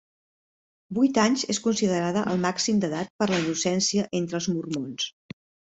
Vuit anys és considerada el màxim d'edat per la innocència entre els mormons.